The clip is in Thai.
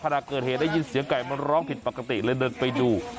ขณะเกิดเหตุได้ยินเสียงไก่มันร้องผิดปกติเลยเดินไปดู